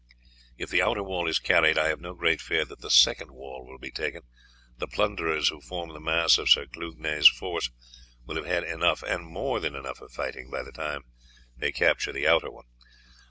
If the outer wall is carried, I have no great fear that the second wall will be taken; the plunderers who form the mass of Sir Clugnet's force will have had enough and more than enough of fighting by the time that they capture the outer one.